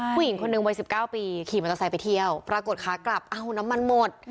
ผู้หญิงคนหนึ่งวัย๑๙ปีขี่มอเตอร์ไซค์ไปเที่ยวปรากฏขากลับอ้าวน้ำมันหมด